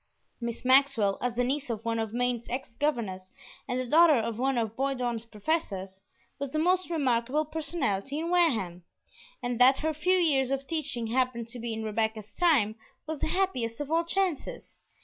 Miss Maxwell, as the niece of one of Maine's ex governors and the daughter of one of Bowdoin's professors, was the most remarkable personality in Wareham, and that her few years of teaching happened to be in Rebecca's time was the happiest of all chances.